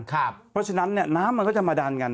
เพราะฉะนั้นน้ำมันก็จะมาดันกัน